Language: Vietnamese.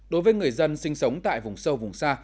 đối với người dân sinh sống tại vùng sâu vùng xa